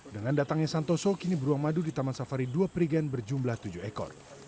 dengan datangnya santoso kini beruang madu di taman safari dua prigen berjumlah tujuh ekor